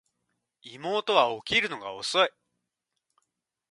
妹は起きるのが遅い